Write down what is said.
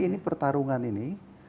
jadi pertarungan ini